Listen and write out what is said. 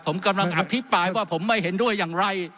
ผมกำลังอภิปรายว่าผมไม่เห็นด้วยอย่างไร